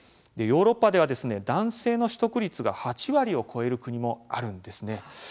ヨーロッパでは、男性の取得率が８割を超える国もあるんですね。